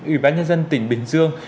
ủy ban nhân dân tỉnh bình dương